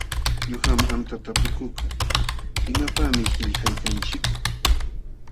Uqam qamta tapukuk: ¿Imapaqmi qillqaykanchik?